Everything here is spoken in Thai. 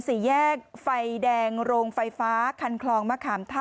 สี่แยกไฟแดงโรงไฟฟ้าคันคลองมะขามท่า